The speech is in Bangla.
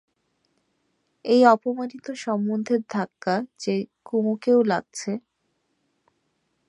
এই অপমানিত সম্বন্ধের ধাক্কা যে কুমুকেও লাগছে।